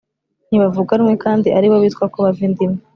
Ntibavuga rumwe kandi ari bo bitwa ko bava inda imwe